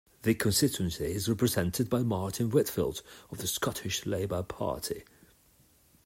The constituency is represented by Martin Whitfield of the Scottish Labour Party.